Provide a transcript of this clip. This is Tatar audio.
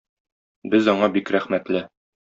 Без аңа бик рәхмәтле.